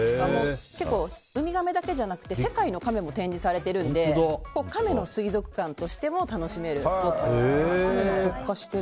ウミガメだけじゃなくて世界のカメも展示されているのでカメの水族館としても楽しめるスポットです。